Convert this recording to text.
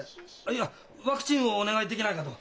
いやワクチンをお願いできないかと！